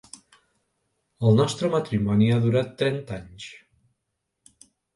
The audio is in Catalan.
El nostre matrimoni ha durat trenta anys.